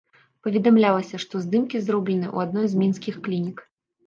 Паведамлялася, што здымкі зробленыя ў адной з мінскіх клінік.